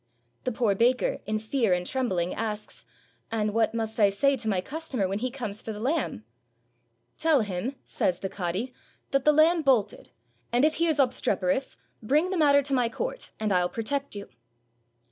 The poor baker, in fear and trembling asks, "And what must I say to my customer when he comes for the lamb?" "Tell him," says the cadi, "that the lamb bolted; and if he is obstreperous, bring the matter to my court, and I'll protect you."